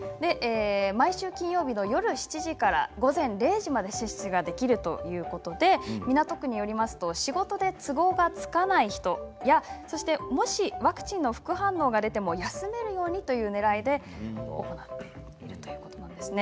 毎週、金曜日の夜７時から午前０時まで接種ができるということで港区によりますと仕事で都合がつかない人もしワクチンの副反応が出ても休めるようにというねらいで行っているということなんです。